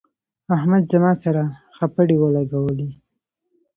احمد زما سره خپړې ولګولې.